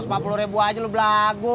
hah satu ratus empat puluh ribu aja lu belagu